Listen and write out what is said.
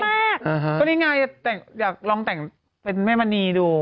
ก็นี่ไงอยากลองแต่งเป็นแม่มณีดู